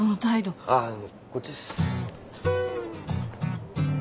あっこっちです。